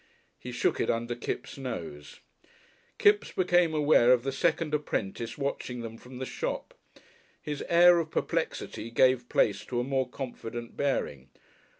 He shook it under Kipps' nose. Kipps became aware of the second apprentice watching them from the shop. His air of perplexity gave place to a more confident bearing.